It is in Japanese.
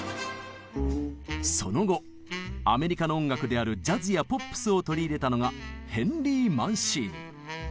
その後アメリカの音楽であるジャズやポップスを取り入れたのがヘンリー・マンシーニ。